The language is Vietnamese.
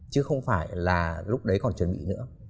chứ không phải là lúc đấy còn chuẩn bị nữa